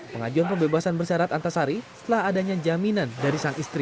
pengajuan pembebasan bersyarat antasari setelah adanya jaminan dari sang istri